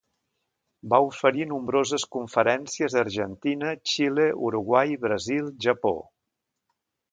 Va oferir nombroses conferències a Argentina, Xile, Uruguai, Brasil, Japó.